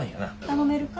・頼めるか？